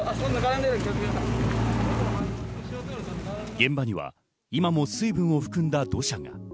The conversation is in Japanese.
現場には今も水分を含んだ土砂が。